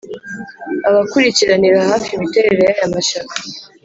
abakurikiranira hafi imiterere y’aya mashyaka